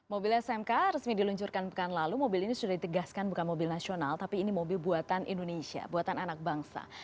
mobil smk resmi diluncurkan pekan lalu mobil ini sudah ditegaskan bukan mobil nasional tapi ini mobil buatan indonesia buatan anak bangsa